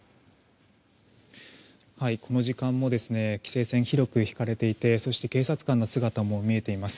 この時間も規制線が広く敷かれていてそして警察官の姿も見えています。